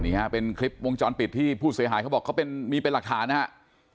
เป็นคลิปวงจรปิดที่ผู้เสียหายเขาบอกเขามีเป็นหลักฐานนะครับ